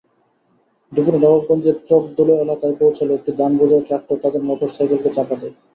দুপুরে নবাবগঞ্জের চকদুলু এলাকায় পৌঁছালে একটি ধানবোঝাই ট্রাক্টর তাঁদের মোটরসাইকেলকে চাপা দেয়।